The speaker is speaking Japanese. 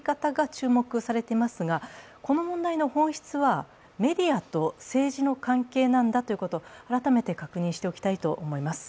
注目されていますが、この問題の本質は、メディアと政治の関係なんだということを改めて確認しておきたいと思います。